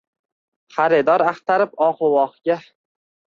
Xaridor axtarib ohu-vohiga